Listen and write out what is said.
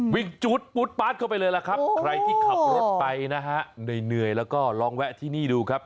วิ่งจุดปุ๊ตปี๊ตเข้าไปเลยแล้วครับใครที่ขับรถไปนะฮะเหนื่อยเราก็ลองแวะที่นี่ดูครับ